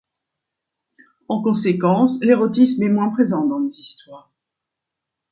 En conséquence, l'érotisme est moins présent dans les histoires.